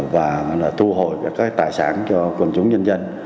và thu hồi các tài sản cho cộng chúng dân dân